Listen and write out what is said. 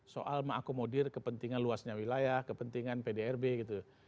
soal mengakomodir kepentingan luasnya wilayah kepentingan pdrb gitu